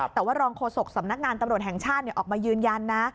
แต่ว่ารองโฆษกสำนักงานตำรวจแห่งชาติออกมายืนยันนะ